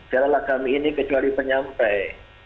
garala kami ini kecuali penyampai